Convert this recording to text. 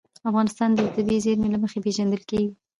افغانستان د طبیعي زیرمې له مخې پېژندل کېږي.